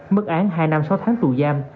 mất án hai năm sáu tháng tù giam